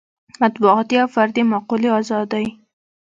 مطبوعاتي او فردي معقولې ازادۍ.